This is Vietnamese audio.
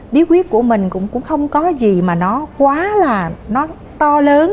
điết quyết của mình cũng không có gì mà nó quá là to lớn